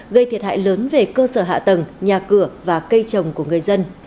gây thiệt hại lớn về cơ sở hạ tầng nhà cửa và cây trồng của người dân